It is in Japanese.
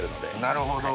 なるほど。